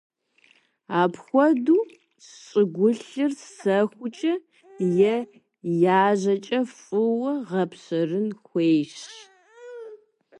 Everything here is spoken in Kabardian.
Апхуэдэ щӀыгулъыр сэхукӀэ е яжьэкӀэ фӀыуэ гъэпшэрын хуейщ.